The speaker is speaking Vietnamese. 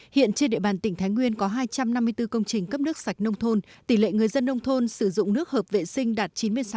hiện trên địa bàn tỉnh thái nguyên có hai trăm năm mươi bốn công trình cấp nước sạch nông thôn tỷ lệ người dân nông thôn sử dụng nước hợp vệ sinh đạt chín mươi sáu